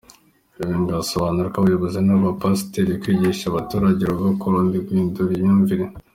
Ikindi ngo azasaba abayobozi n’abapasiteri kwigisha abaturage urugo kurundi guhindura imyumvire.